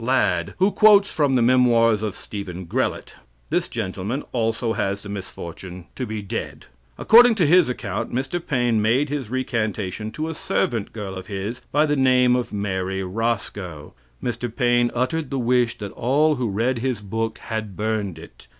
Ladd, who quotes from the memoirs of Stephen Grellett. This gentleman also has the misfortune to be dead. According to his account, Mr. Paige made his recantation to a servant girl of his by the name of Mary Roscoe. Mr. Paine uttered the wish that all who read his book had burned it.